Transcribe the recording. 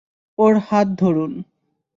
ওর হাত ধরুন।